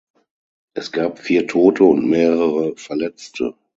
Es gab vier Tote und mehrere Verletzte.